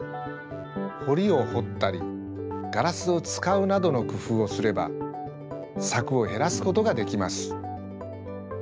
ほりをほったりガラスをつかうなどのくふうをすればさくをへらすことができます。